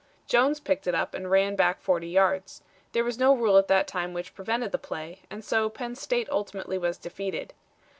Jones picked it up and ran it back 40 yards. There was no rule at that time which prevented the play, and so Penn State ultimately was defeated.